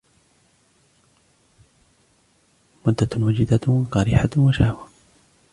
مُدَّةٌ وَجِدَّةٌ وَقَرِيحَةٌ وَشَهْوَةٌ